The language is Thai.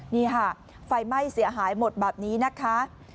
นี่ค่ะไฟไหม้เสียหายหมดแบบนี้นะคะ